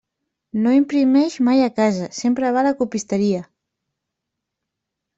No imprimeix mai a casa, sempre va a la copisteria.